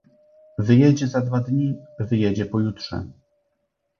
"Wyjedzie za dwa dni, wyjedzie pojutrze."